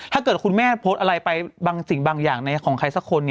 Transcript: ถ้าเกิดคุณแม่โพสต์อะไรไปบางสิ่งบางอย่างของใครสักคน